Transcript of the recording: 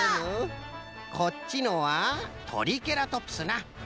こっちのはトリケラトプスな。